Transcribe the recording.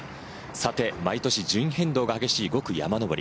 さて、毎年順位変動が激しい５区山上り。